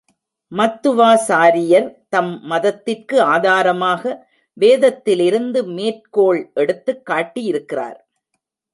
மத்துவாசாரியர் தம் மதத்திற்கு ஆதாரமாக வேதத்திலிருந்து மேற்கோள் எடுத்துக் காட்டியிருக்கிறார்.